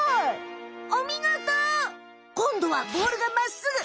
こんどはボールがまっすぐ